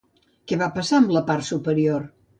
Què va passar amb la part superior?